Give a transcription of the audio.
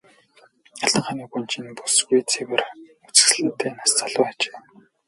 Алтан хааны гүнж энэ бүсгүй цэвэр үзэсгэлэнтэй нас залуу ажээ.